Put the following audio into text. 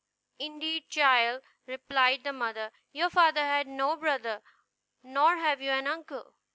"Indeed, child," replied the mother, "your father had no brother, nor have you an uncle."